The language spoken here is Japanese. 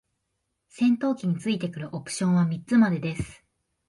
戦闘機に付いてくるオプションは三つまでです。